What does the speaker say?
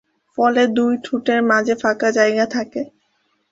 ফলে দুই ঠোঁটের মাঝে ফাঁকা জায়গা থাকে।